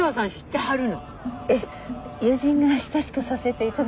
ええ友人が親しくさせていただいていて。